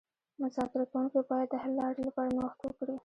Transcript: مذاکره کوونکي باید د حل لارې لپاره نوښت وکړي